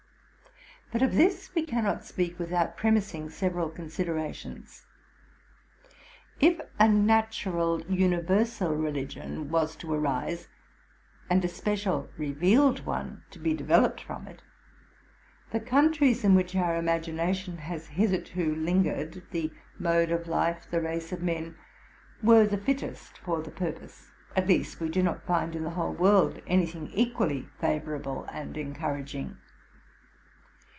But of this we cannot speak without premising several considerations. If a natural universal religion was to arise, and a special revealed one to be developed from it, the countries in which our imagination has hitherto lingered, the mode of life, the race of men, were the fittest for the purpose. At least, we do not find in the whole world any thing equally favorable and encouraging.